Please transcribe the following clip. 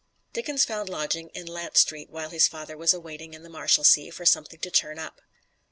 Dickens found lodgings in Lant Street while his father was awaiting in the Marshalsea for something to turn up.